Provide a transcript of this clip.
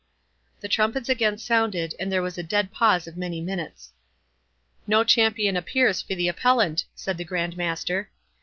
The trumpets again sounded, and there was a dead pause of many minutes. "No champion appears for the appellant," said the Grand Master.